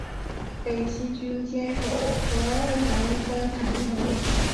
北齐军坚守河阳中潭城。